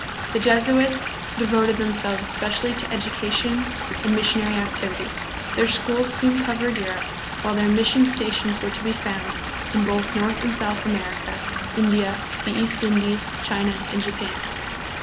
The Jesuits devoted themselves especially to education and missionary activity. Their schools soon covered Europe, while their mission stations were to be found in both North and South America, India, the East Indies, China, and Japan.